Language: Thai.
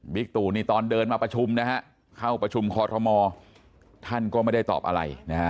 ตู่นี่ตอนเดินมาประชุมนะฮะเข้าประชุมคอรมอท่านก็ไม่ได้ตอบอะไรนะฮะ